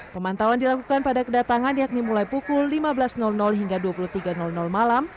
pemantauan dilakukan pada kedatangan yakni mulai pukul lima belas hingga dua puluh tiga malam